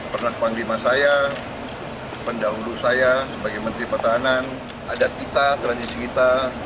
pernah panglima saya pendahulu saya sebagai menteri pertahanan adat kita tradisi kita